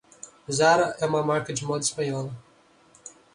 Zara é uma marca de moda espanhola.